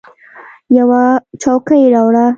یوه څوکۍ راوړه !